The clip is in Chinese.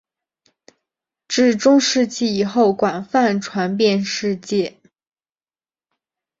至中世纪以后广泛传遍世界。